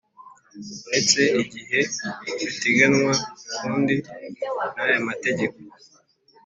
Uretse igihe biteganywa ukundi n aya mategeko